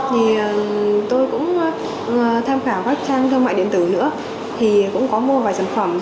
thì tôi cũng tham khảo các trang thương mại điện tử nữa thì cũng có mua vài sản phẩm